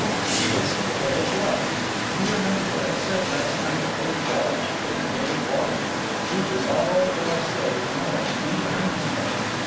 "And this is the way it was. You remember what I said last night of Dave Walsh—Big Dave Walsh? He was all that I said, and more, many times more.